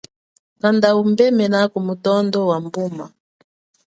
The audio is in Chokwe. Kanda nubemena ku mutonda wa mbuma.